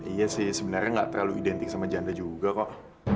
iya sih sebenarnya nggak terlalu identik sama janda juga kok